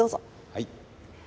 はい。